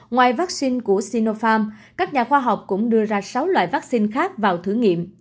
ngoài vaccine của sinopharm các nhà khoa học cũng đưa ra sáu loại vaccine khác vào thử nghiệm